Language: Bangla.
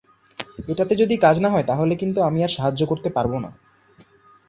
এটাতে যদি কাজ না হয়, তাহলে কিন্তু আমি আর সাহায্য করতে পারবো না।